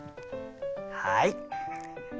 はい。